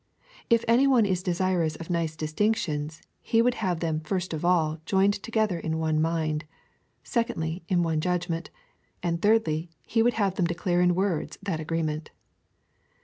If any one is desirous of nice distinctions — he w^ould have them first of all joined together in one mind ; secondly, in one judgment ; and, thirdly, he would have them declare in words that agreement.